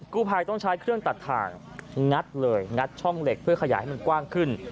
กู้ภัยต้องใช้เครื่องตัดถ่างงัดเลยงัดช่องเหล็กเพื่อขยายให้มันกว้างขึ้น